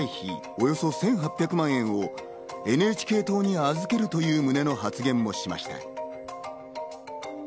およそ１８００万円をＮＨＫ党に預けるという旨の発言もしました。